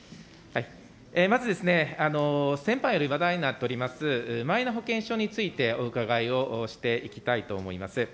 まず、先般より話題になっております、マイナ保険証について、お伺いをしていきたいと思います。